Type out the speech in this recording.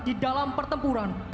di dalam pertempuran